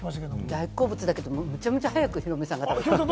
大好物なんですけれども、むちゃめちゃ早くヒロミさんが食べた。